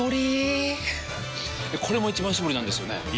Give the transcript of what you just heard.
これも「一番搾り」なんですよね